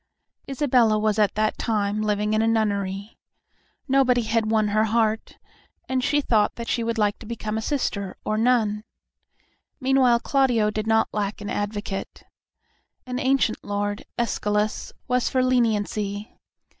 Isabella was at that time living in a nunnery. Nobody had won her heart, and she thought she would like to become a sister, or nun. Meanwhile Claudio did not lack an advocate. An ancient lord, Escalus, was for leniency.